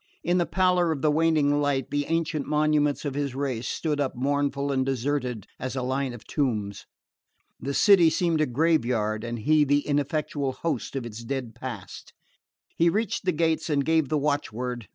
In the pallor of the waning night the ancient monuments of his race stood up mournful and deserted as a line of tombs. The city seemed a grave yard and he the ineffectual ghost of its dead past. He reached the gates and gave the watchword.